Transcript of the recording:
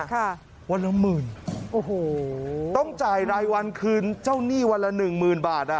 ค่ะวันละหมื่นโอ้โหต้องจ่ายรายวันคืนเจ้าหนี้วันละหนึ่งหมื่นบาทอ่ะ